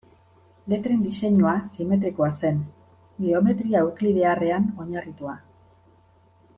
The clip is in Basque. Letren diseinua simetrikoa zen, geometria euklidearrean oinarritua.